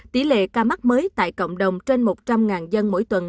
tỷ lệ ca mắc mới tại cộng đồng trên một trăm linh dân mỗi tuần